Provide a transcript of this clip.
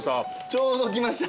ちょうど来ました。